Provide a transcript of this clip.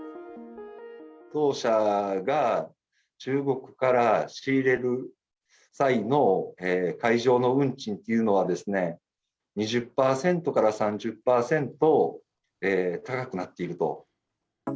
当社が中国から仕入れる際の海上の運賃というのは、２０％から３０％高くなっていると。